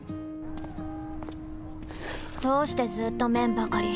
どうしてずーっと麺ばかり！